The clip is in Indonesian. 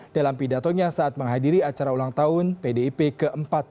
dalam pidatonya saat menghadiri acara ulang tahun pdip ke empat puluh dua